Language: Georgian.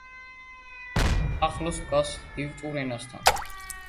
ახლოს დგას ლიტვურ ენასთან.